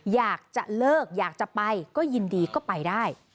อยากจะเลิกอยากจะไปก็ยินดีก็ไปได้